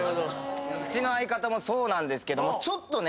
うちの相方もそうなんですけどちょっとね